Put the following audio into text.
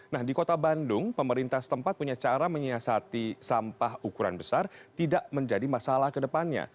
nah di kota bandung pemerintah setempat punya cara menyiasati sampah ukuran besar tidak menjadi masalah kedepannya